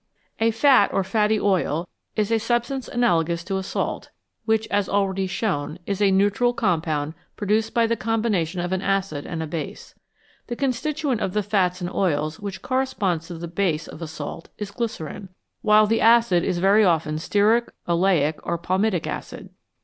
A fat or fatty oil is a substance analogous to a salt, which, as already shown, is a neutral compound produced by the combination of an acid and a base. The constituent of the fats and oils which corresponds to the base of a salt is glycerine, while the acid is very often stearic, oleic, or palmitic acid.